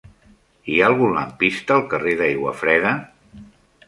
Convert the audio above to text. Hi ha algun lampista al carrer d'Aiguafreda?